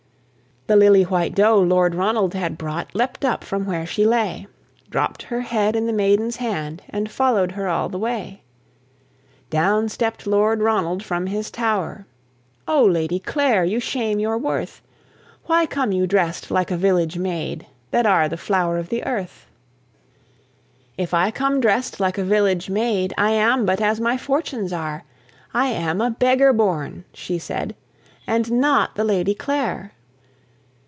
The lily white doe Lord Ronald had brought Leapt up from where she lay, Dropt her head in the maiden's hand, And follow'd her all the way. Down stept Lord Ronald from his tower: "O Lady Clare, you shame your worth! Why come you drest like a village maid, That are the flower of the earth?" "If I come drest like a village maid, I am but as my fortunes are: I am a beggar born," she said, "And not the Lady Clare."